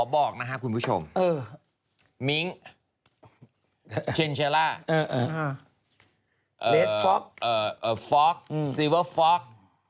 ฟอคซิเวอร์ฟอค